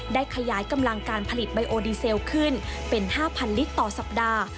ได้ขยายกำลังการผลิตไบโอดีเซลขึ้นเป็น๕๐๐ลิตรต่อสัปดาห์